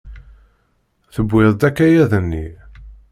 Tewwiḍ-d akayad-nni.